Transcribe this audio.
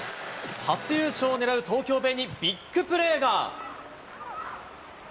初優勝を狙う東京ベイにビッグプレーが。